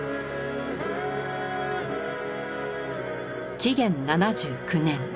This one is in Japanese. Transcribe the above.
紀元７９年。